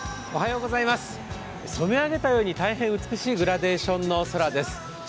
おはようございます、染め上げたように大変美しいグラデーションの空です。